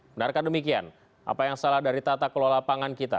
benarkan demikian apa yang salah dari tata kelola pangan kita